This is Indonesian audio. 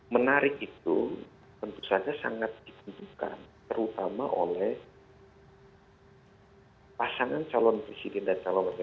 menarik itu tentu saja sangat ditentukan terutama oleh pasangan calon presiden dan calon wakil presiden